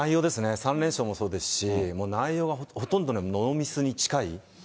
３連勝もそうですし、内容はほとんどノーミスに近い。